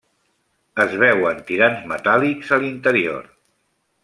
Es veuen tirants metàl·lics a l'interior.